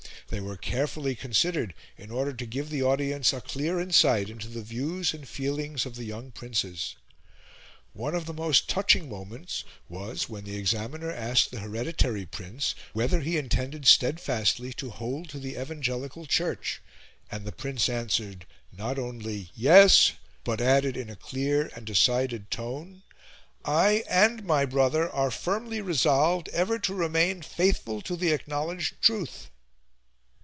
They were carefully considered in order to give the audience a clear insight into the views and feelings of, the young princes. One of the most touching moments was when the examiner asked the hereditary prince whether he intended steadfastly to hold to the Evangelical Church, and the Prince answered not only 'Yes!' but added in a clear and decided tone: 'I and my brother are firmly resolved ever to remain faithful to the acknowledged truth.'